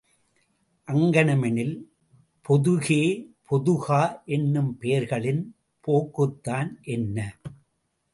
அங்ஙனமெனில், பொதுகே, பொதுகா என்னும் பெயர்களின் போக்குதான் என்ன?